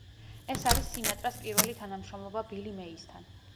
ეს არის სინატრას პირველი თანამშრომლობა ბილი მეისთან.